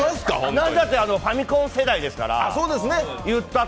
何だってファミコン世代ですから。